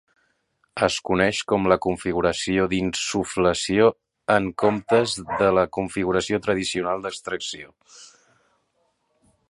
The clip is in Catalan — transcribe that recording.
Es coneix com la configuració d"insuflació en comptes de la configuració tradicional d"extracció.